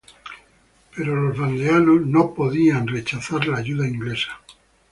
Pero los vandeanos no ponían rechazar la ayuda inglesa.